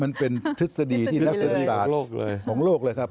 มันเป็นทฤษฎีที่รักสัตว์สินตาของโลกเลยครับ